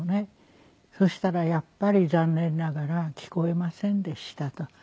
そしたら「やっぱり残念ながら聞こえませんでした」と。